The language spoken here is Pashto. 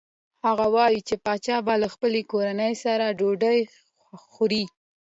هغه وايي چې پاچا به له خپلې کورنۍ سره ډوډۍ خوړه.